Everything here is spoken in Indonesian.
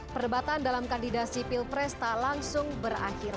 perdebatan dalam kandidasi pilpres tak langsung berakhir